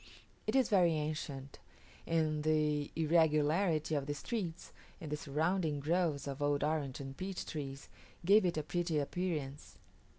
It is very ancient; and the irregularity of the streets, and the surrounding groves of old orange and peach trees, gave it a pretty appearance.